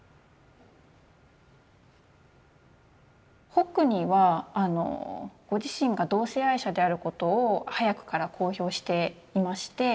ホックニーはご自身が同性愛者であることを早くから公表していまして。